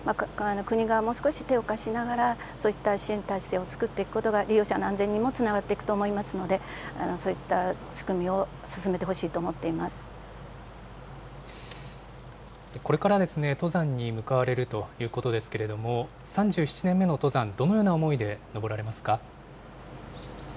国がもう少し手を貸しながら、そういった支援体制を作っていくことが利用者の安全にもつながっていくと思いますので、そういった仕組みを進めてほしいと思ってこれから登山に向かわれるということですけれども、３７年目の登山、どのような思いで登られますか。